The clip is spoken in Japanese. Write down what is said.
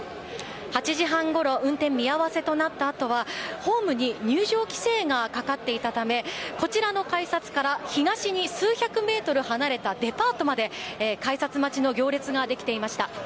８時半ごろ運転見合わせとなったあとはホームに入場規制がかかっていたためこちらの改札から東に数百メートル離れたデパートまで改札待ちの行列ができていました。